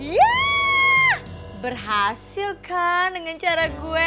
ya berhasil kan dengan cara gue